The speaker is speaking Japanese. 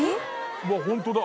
うわっホントだ。